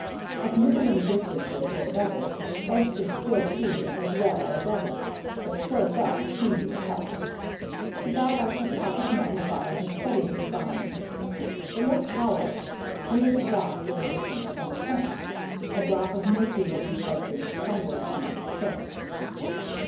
At middling distances or better, Ed could still see as well as ever, but close up he needed help. He got out his pocket magnifier and studied the spine. It looked hollow, grooved back for a distance from the point. A drop of milky looking substance trembled on its tip.